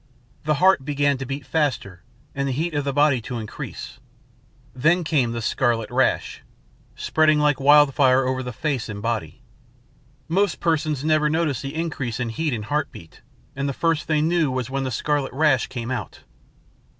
"The heart began to beat faster and the heat of the body to increase. Then came the scarlet rash, spreading like wildfire over the face and body. Most persons never noticed the increase in heat and heart beat, and the first they knew was when the scarlet rash came out.